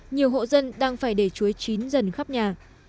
nhiều hộ dân đang phải để chuối chín dần khắp nhà